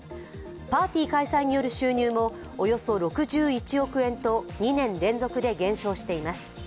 パーティー開催による収入もおよそ６１億円と２年連続で減少しています。